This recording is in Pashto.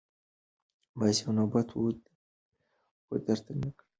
بس یو نوبت وو درته مي تېر کړ